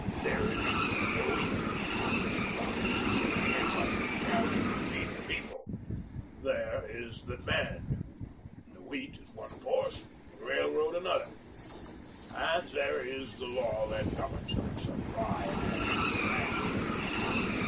There is the Wheat, the supply. It must be carried to feed the People. There is the demand. The Wheat is one force, the Railroad, another, and there is the law that governs them supply and demand.